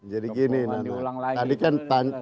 jadi gini tadi kan pertanyaannya kan soal pasangan